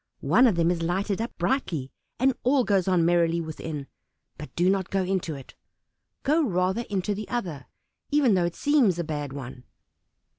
One of them is lighted up brightly, and all goes on merrily within, but do not go into it; go rather into the other, even though it seems a bad one."